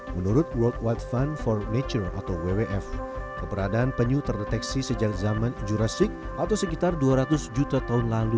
menurut world wide fund for nature atau wwf keberadaan penyu terdeteksi sejak zaman jurasik atau sekitar dua ratus juta tahun lalu